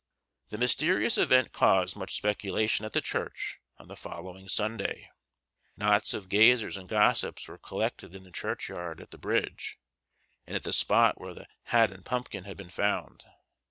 The mysterious event caused much speculation at the church on the following Sunday. Knots of gazers and gossips were collected in the churchyard, at the bridge, and at the spot where the hat and pumpkin had been found.